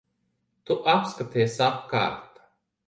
Tu apskaties apkārt.